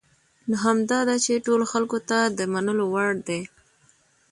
نو همدا ده چې ټولو خلکو ته د منلو وړ دي .